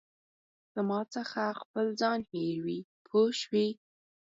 زما څخه خپل ځان هېروې پوه شوې!.